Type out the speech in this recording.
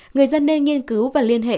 người dân nên nghiên cứu và liên hệ